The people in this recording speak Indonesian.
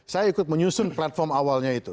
saya ikut menyusun platform awalnya itu